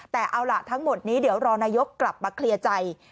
แต่เอาล่ะทั้งหมดนี้เดี๋ยวรอนายกกลับมาเคลียร์ใจ